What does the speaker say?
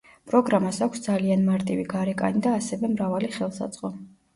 პროგრამას აქვს ძალიან მარტივი გარეკანი და ასევე მრავალი ხელსაწყო.